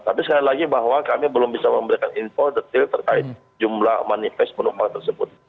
tapi sekali lagi bahwa kami belum bisa memberikan info detil terkait jumlah manifest penumpangnya